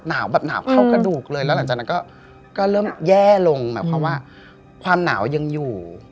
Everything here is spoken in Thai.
หนาวเฉินกว่าในข้ากระดูกเลยแล้วหลังจากนั้นก็เริ่มแย่ลงเพราะว่าความน้ายยังอยู่